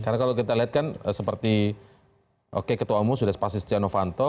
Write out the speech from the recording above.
karena kalau kita lihat kan seperti ketua umum sudah spasi setiano fantom